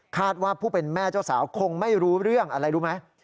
ว่าผู้เป็นแม่เจ้าสาวคงไม่รู้เรื่องอะไรรู้ไหม